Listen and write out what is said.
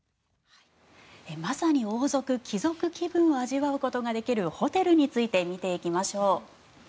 まさに王族・貴族気分を味わうことができるホテルについて見ていきましょう。